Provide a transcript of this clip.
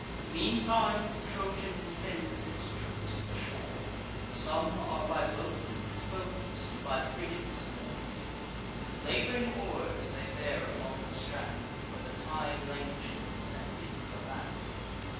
Meantime the Trojan sends his troops ashore: Some are by boats expos'd, by bridges more. With lab'ring oars they bear along the strand, Where the tide languishes, and leap a land.